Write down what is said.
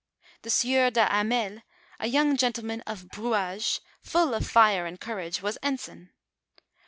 The sieur de Ilamel, a young gentleman of Brouage, full of fire and courage, was ensign.